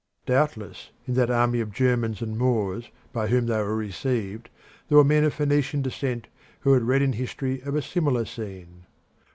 Doubtless in that army of Germans and Moors by whom they were received there were men of Phoenician descent who had read in history of a similar scene.